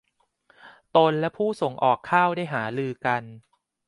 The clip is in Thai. ตนและผู้ส่งออกข้าวได้หารือกัน